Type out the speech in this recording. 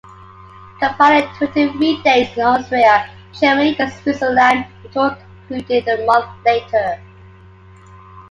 Compiling twenty-three dates in Austria, Germany and Switzerland, the tour concluded a month later.